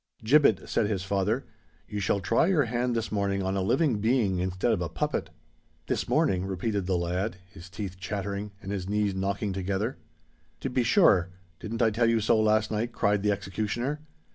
"Gibbet," said his father, "you shall try your hand this morning on a living being instead of a puppet." "This morning!" repeated the lad, his teeth chattering, and his knees knocking together. "To be sure. Didn't I tell you so last night?" cried the executioner.